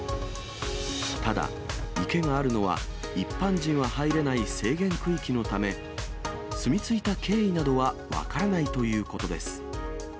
ただ、池があるのは、一般人は入れない制限区域のため、住み着いた経緯などは分からないということです。